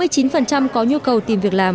sáu mươi chín có nhu cầu tìm việc làm